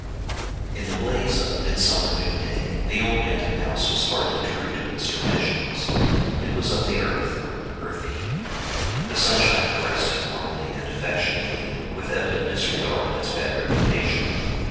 III In the blaze of a midsummer noonday the old Manton house was hardly true to its traditions. It was of the earth, earthy. The sunshine caressed it warmly and affectionately, with evident disregard of its bad reputation.